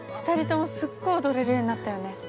２人ともすっごい踊れるようになったよね。